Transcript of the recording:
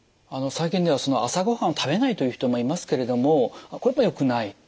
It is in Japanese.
最近では朝ご飯を食べないという人もいますけれどもこれもよくない？